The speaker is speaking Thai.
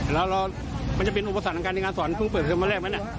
แล้วมันจะเป็นอุปสรรคทางการในการสอนเพิ่งเปิดเทอมมาแรกไหม